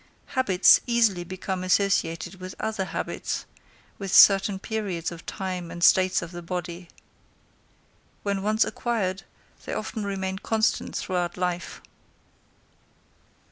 Habits easily become associated with other habits, with certain periods of time and states of the body. When once acquired, they often remain constant throughout life.